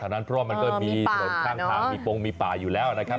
เพราะว่ามันก็มีหน่วยข้างมีปลงมีป่าอยู่แล้วนะครับ